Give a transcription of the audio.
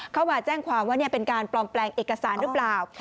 เข้ามาแจ้งความว่าเป็นการปลอมแปลงเอกสารหรือเปล่า